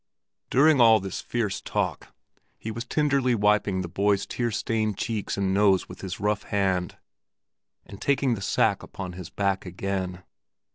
During all this fierce talk he was tenderly wiping the boy's tear stained cheeks and nose with his rough hand, and taking the sack upon his back again.